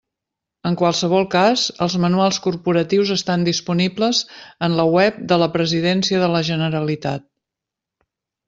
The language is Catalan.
En qualsevol cas, els manuals corporatius estan disponibles en la web de la Presidència de la Generalitat.